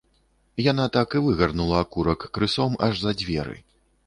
Яна так і выгарнула акурак крысом аж за дзверы.